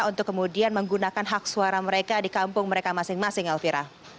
untuk kemudian menggunakan hak suara mereka di kampung mereka masing masing elvira